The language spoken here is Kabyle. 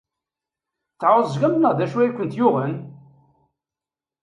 Tɛeẓgemt neɣ d acu ay kent-yuɣen?